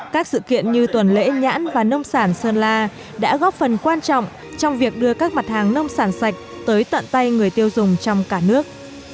các sự kiện như tuần lễ nhãn và nông sản sơn la đã góp phần quan trọng trong việc đưa các mặt hàng nông sản sạch tới tận tay người tiêu dùng trong cả nước